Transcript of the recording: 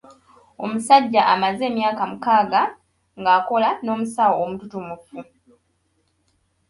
Omusajja amaze emyaka mukaaga ng’akola n’omusawo omututumufu.